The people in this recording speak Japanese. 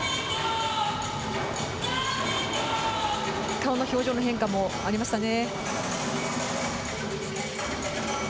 顔の表情の変化もありましたね。